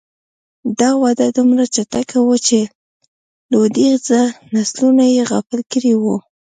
دا وده دومره چټکه وه چې لوېدیځ نسلونه یې غافل کړي وو